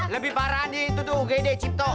lebih parah nih itu tuh ugd cipto